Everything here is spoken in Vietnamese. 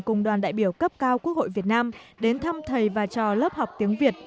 cùng đoàn đại biểu cấp cao quốc hội việt nam đến thăm thầy và trò lớp học tiếng việt